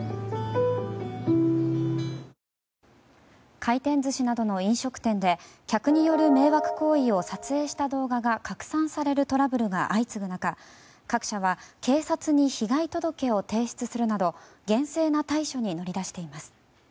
回転寿司などの飲食店で客による迷惑行為を撮影した動画が拡散される行為が相次ぐ中、各社は警察に被害届を提出するなど厳正な対処に乗り出しています。